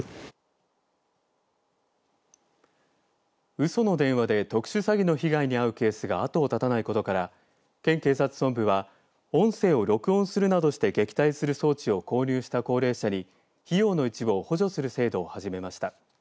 うその電話で特殊詐欺の被害に遭うケースが後を絶たないことから県警察本部は音声を録音するなどして撃退する装置を購入した高齢者に費用の一部を補助する制度を始めました。